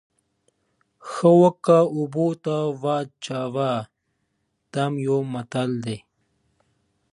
تاریخي پېښو ته اړتیا د اوسنیو تجربو سره مرسته کوي.